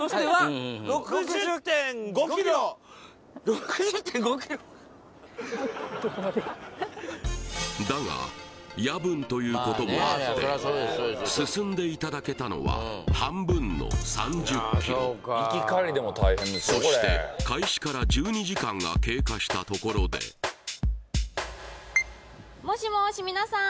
６０５万だが夜分ということもあって進んでいただけたのは半分の３０ｋｍそして開始から１２時間が経過したところでもしもし皆さん